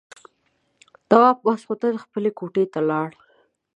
تواب ماخستن خپلې کوټې ته لاړ.